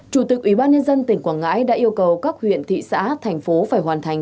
chủ tịch ubnd tỉnh quảng ngãi đã yêu cầu các huyện thị xã thành phố phải hoàn thành